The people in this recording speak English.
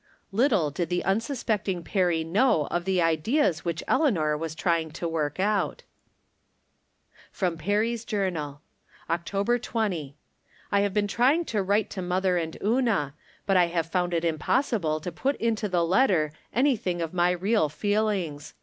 Little did the unsuspecting Perry know of the ideas which Eleanor was trying to work out ! [FEOM PEKEY's JOTJENAl.j October 20. — I have been trying to write to mother and Una, but I have found it impossible 'to put into the letter anything of my real feel ings.